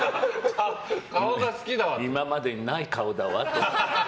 今までにない顔だわと思って。